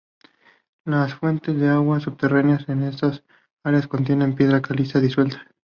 Las fuentes de agua subterránea en estas áreas contienen piedra caliza disuelta.